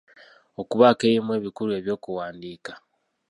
Okubaako ebimu ebikulu eby'okuwandiika.